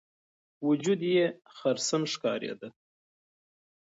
وجود یې خرسن ښکارېده.